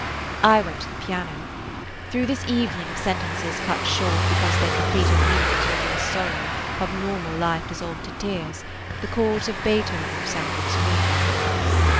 I went to the piano. Through this evening of sentences cut short because their completed meaning was always sorrow, of normal life dissolved to tears, the chords of Beethoven sounded serenely.